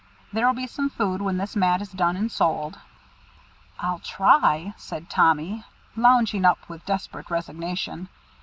There'll be some food when this mat is done and sold." "I'll try," said Tommy, lounging up with desperate resignation.